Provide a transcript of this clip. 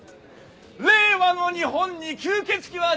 「令和の日本に吸血鬼は実在した！」。